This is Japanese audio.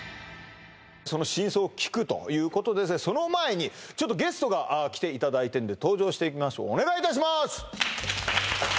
その真相を聞くということでその前にちょっとゲストが来ていただいてるんで登場していきましょうお願いいたします！